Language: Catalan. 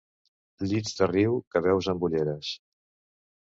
Llits de riu que veus amb ulleres.